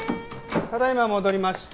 ただいま戻りました。